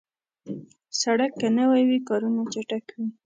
سړک که نوي وي، کارونه چټک وي.